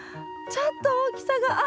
ちょっと大きさが。